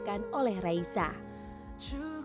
dan kalian semua bisa mengikuti video ini